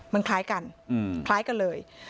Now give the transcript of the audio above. มันคล้ายกันคล้ายกันเลย